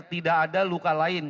tidak ada luka lain